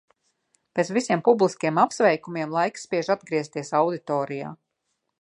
Pēc visiem publiskajiem apsveikumiem, laiks spiež atgriezties auditorijā.